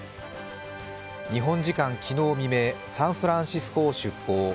日本時間昨日未明、サンフランシスコを出航。